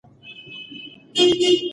ماشوم د نیا په غېږ کې د خوښۍ احساس کاوه.